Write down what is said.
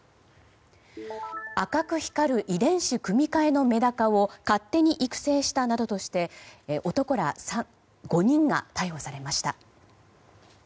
赤く光る遺伝子組み換えのメダカを勝手に育成したなどとして男ら５人が逮捕されました。